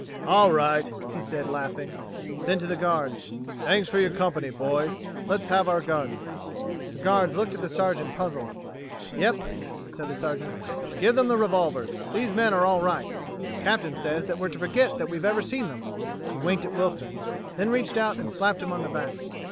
"All right," he said, laughing. Then to the guards, "Thanks for your company, boys. Let's have our guns." The guards looked at the Sergeant, puzzled. "Yep," said the Sergeant, "give the revolvers. These men are all right. The Captain says that we're to forget that we've ever seen 'em." He winked at Wilson, then reached out and slapped him on the back.